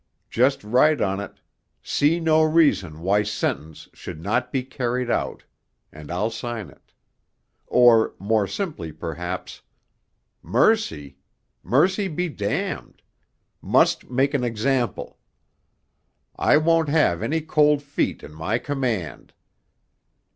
Just write on it, "See no reason why sentence should not be carried out," and I'll sign it.' Or, more simply perhaps: 'Mercy! mercy be damned! must make an example. I won't have any cold feet in my Command.'